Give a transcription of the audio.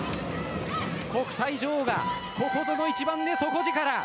国体女王が、ここぞの一番で底力。